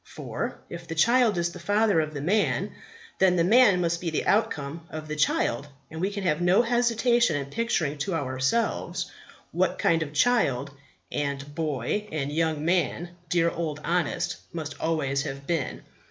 For, if the child is the father of the man, then the man must be the outcome of the child, and we can have no hesitation in picturing to ourselves what kind of child and boy and young man dear Old Honest must always have been.